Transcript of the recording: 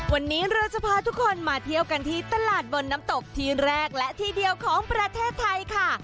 วันนี้เราจะพาทุกคนมาเที่ยวกันที่ตลาดบนน้ำตกที่แรกและที่เดียวของประเทศไทยค่ะ